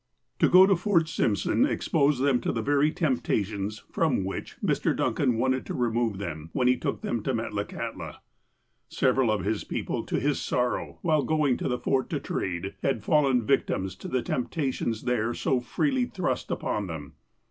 To go to Fort Simpson exposed them to the very temp tations from which Mr. Duncan had wanted to remove them, when he took them to Metlakahtla. Several of his people, to his sorrow, while going to the Fort to trade, had fallen victims to the temptations there so freely thrust upon them.